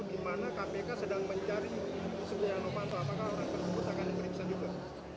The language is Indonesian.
di mana kpk sedang mencari setia novanto apakah orang tersebut akan diperiksa juga